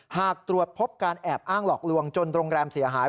หากตรวจพบการแอบอ้างหลอกลวงจนโรงแรมเสียหาย